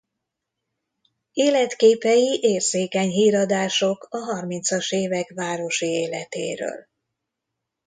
Életképei érzékeny híradások a harmincas évek városi életéről.